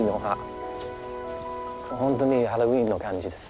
本当にハロウィーンの感じです。